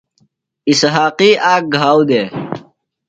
اِسحاقی آک گھاؤ دےۡ۔